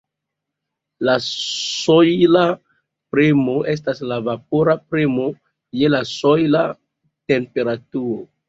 La sojla premo estas la vapora premo je la sojla temperaturo.